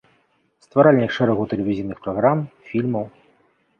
Стваральнік шэрагу тэлевізійных праграм, фільмаў.